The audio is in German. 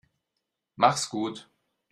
Mach's gut.